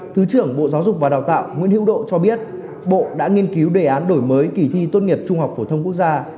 thứ trưởng bộ giáo dục và đào tạo nguyễn hữu độ cho biết bộ đã nghiên cứu đề án đổi mới kỳ thi tốt nghiệp trung học phổ thông quốc gia